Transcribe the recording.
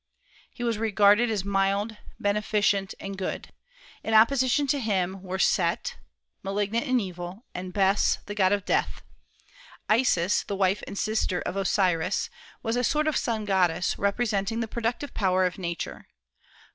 He was regarded as mild, beneficent, and good. In opposition to him were Set, malignant and evil, and Bes, the god of death. Isis, the wife and sister of Osiris, was a sort of sun goddess, representing the productive power of Nature.